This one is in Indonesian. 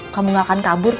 kamu gak akan kabur